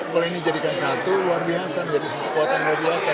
kalau ini dijadikan satu luar biasa menjadi satu kekuatan luar biasa